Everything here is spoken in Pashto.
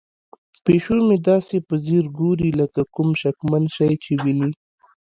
پیشو مې داسې په ځیر ګوري لکه کوم شکمن شی چې ویني.